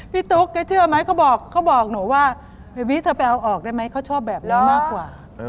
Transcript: พี่ตุ๊กเชื่อไหมเขาบอกหนูว่าเบบบี้เธอไปเอาออกได้ไหมเขาชอบแบบนี้มากกว่า